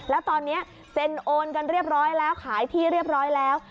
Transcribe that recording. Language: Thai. แล้วตอนนี้เซ็นโอนกันเรียบร้อยแล้วขายที่เรียบร้อยแล้ว